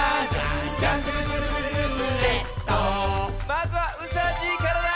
まずはうさじいからだ！